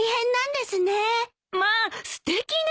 ・まあすてきね！